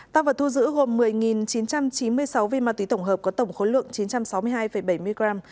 tăng vật thu giữ gồm một mươi chín trăm chín mươi sáu viên ma túy tổng hợp có tổng khối lượng chín trăm sáu mươi hai bảy mươi gram